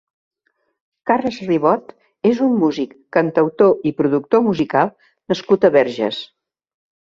Carles Ribot és un músic, cantautor i productor musical nascut a Verges.